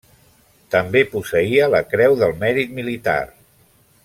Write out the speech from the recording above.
També posseïa la creu del mèrit militar.